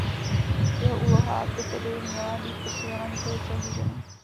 Jeho úloha by tedy měla být posílena, nikoli přehlížena.